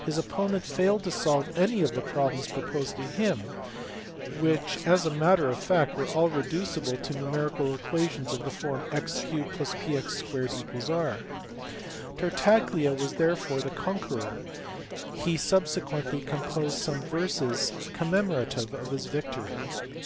His opponent failed to solve any of the problems proposed to him, which as a matter of fact were all reducible to numerical equations of the form .r ;{ f pjc 2 r. Tartaglia was therefore the conqueror; he sub sequently composed some verses commemorative of his victory.